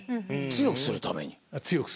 強くするために。